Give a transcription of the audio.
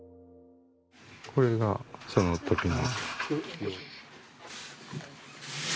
これが、そのときの。